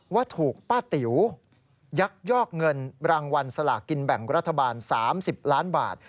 ว่าถูกป้าติ๋วยักยอกเงินรางวัลสลากินแบ่งรัฐบาล๓๐ล้านบาท